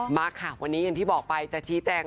มาค่ะวันนี้อย่างที่บอกไปจะชี้แจง